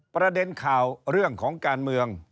ประเด็นข่าวเรื่องของการเมือง